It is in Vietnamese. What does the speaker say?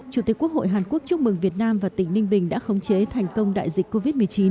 chủ tịch quốc hội hàn quốc chúc mừng việt nam và tỉnh ninh bình đã khống chế thành công đại dịch covid một mươi chín